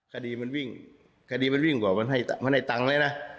คดีมันวิ่งคดีมันวิ่งกว่ามันให้มันได้ตังค์เลยนะ